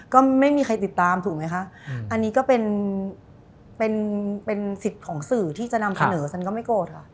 ก็ไม่มีใครติดตามถูกไหมคะอันนี้ก็เป็นเป็นสิทธิ์ของสื่อที่จะนำเสนอฉันก็ไม่โกรธค่ะ